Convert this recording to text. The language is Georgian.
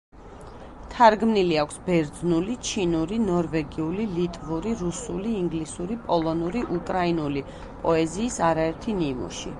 თარგმნილი აქვს: ბერძნული, ჩინური, ნორვეგიული, ლიტვური, რუსული, ინგლისური, პოლონური, უკრაინული პოეზიის არაერთი ნიმუში.